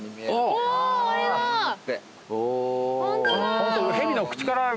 ホントだ。